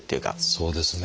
そうですね。